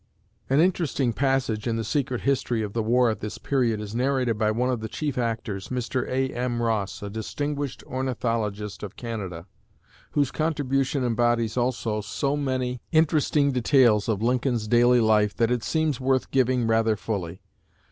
'" An interesting passage in the secret history of the war at this period is narrated by one of the chief actors, Mr. A.M. Ross, a distinguished ornithologist of Canada, whose contribution embodies also so many interesting details of Lincoln's daily life that it seems worth giving rather fully.